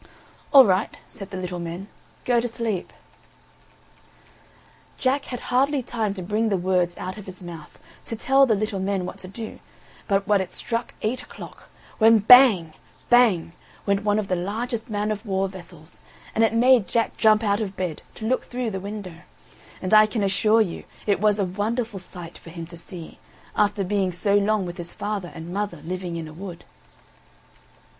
"All right," said the little men; "go to sleep." Jack had hardly time to bring the words out of his mouth, to tell the little men what to do, but what it struck eight o'clock, when Bang, bang went one of the largest man of war vessels; and it made Jack jump out of bed to look through the window; and I can assure you it was a wonderful sight for him to see, after being so long with his father and mother living in a wood.